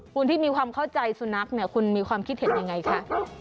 คุณที่มีความเข้าใจสุนัขเนี่ยคุณมีความคิดเห็นยังไงคะ